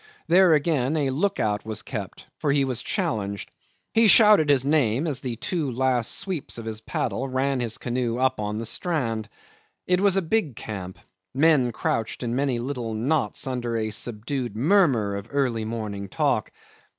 There again a look out was kept, for he was challenged. He shouted his name as the two last sweeps of his paddle ran his canoe up on the strand. It was a big camp. Men crouched in many little knots under a subdued murmur of early morning talk.